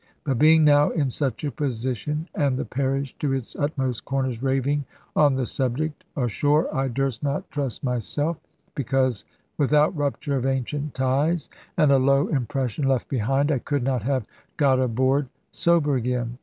But being now in such a position, and the parish to its utmost corners raving on the subject, ashore I durst not trust myself; because without rupture of ancient ties, and a low impression left behind, I could not have got aboard sober again.